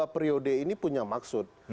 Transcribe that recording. periode ini punya maksud